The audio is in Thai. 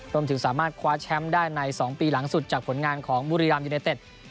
รวมถึงสามารถคว้าแชมป์ได้ใน๒ปีหลังสุดจากผลงานของบุรีรัมยูเนเต็ด